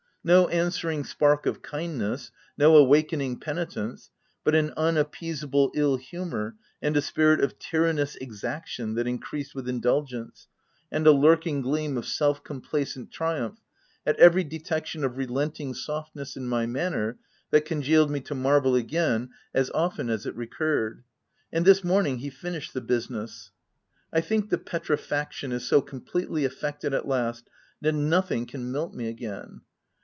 No answering spark of kindness — no awakening penitence, but an unappeasable ill humour and a spirit of tyrannous exaction that increased with indulgence, and a lurking gleam of self complacent triumph, at every detection of re lenting softness in my manner, that congealed me to marble again as often as it recurred ; and this morning he finished the business :— I think the petrifaction is so completely effected at last, that nothing can melt me again.